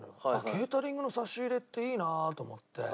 ケータリングの差し入れっていいなと思って。